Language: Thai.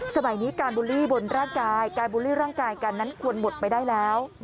สมัยนี้การบูลลี่บนร่างกายการบูลลี่ร่างกายกันนั้นควรหมดไปได้แล้ว